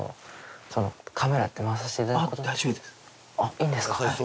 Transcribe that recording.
いいんですか？